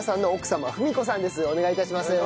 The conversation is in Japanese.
お願い致します。